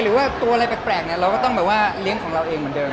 หรือว่าตัวอะไรแปลกเราก็ต้องแบบว่าเลี้ยงของเราเองเหมือนเดิม